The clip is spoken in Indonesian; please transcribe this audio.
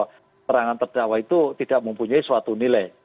keterangan terdakwa itu tidak mempunyai suatu nilai